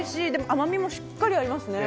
甘みもしっかりありますね。